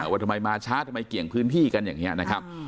ว่าทำไมมาช้าทำไมเกี่ยงพื้นที่กันอย่างนี้นะครับ